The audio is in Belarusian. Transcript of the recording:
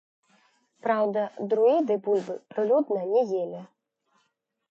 Праўда, друіды бульбы прылюдна не елі.